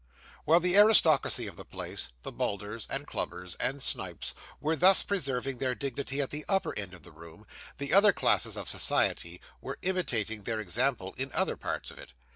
While the aristocracy of the place the Bulders, and Clubbers, and Snipes were thus preserving their dignity at the upper end of the room, the other classes of society were imitating their example in other parts of it.